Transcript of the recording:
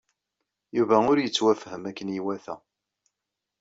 Yuba ur yettwafhem akken iwata.